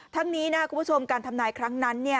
ทั้งนี้นะคุณผู้ชมการทำนายครั้งนั้น